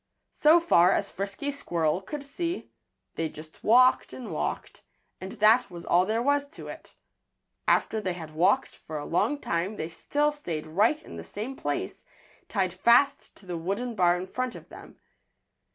So far as Frisky Squirrel could see, they just walked and walked, and that was all there was to it. After they had walked for a long time they still stayed right in the same place, tied fast to the wooden bar in front of them.